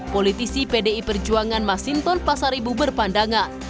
politisi pdi perjuangan mas sintor pasaribu berpandangan